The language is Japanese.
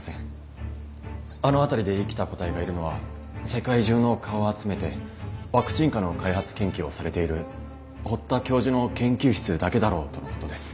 あの辺りで生きた個体がいるのは世界中の蚊を集めてワクチン蚊の開発研究をされている堀田教授の研究室だけだろうとのことです。